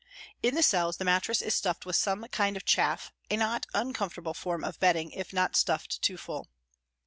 In the cells the mattress is stuffed with some kind of chaff, a not uncomfortable form of bedding if not stuffed too full.